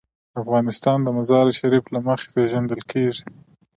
افغانستان د مزارشریف له مخې پېژندل کېږي.